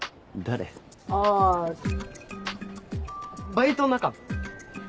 バイト仲間。